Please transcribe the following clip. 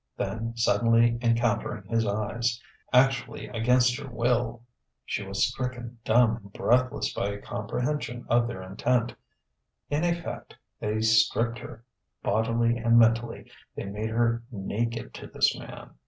Then suddenly encountering his eyes actually against her will she was stricken dumb and breathless by comprehension of their intent; in effect, they stripped her: bodily and mentally they made her naked to this man.